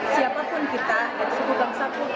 siapapun kita dari suku bangsa pun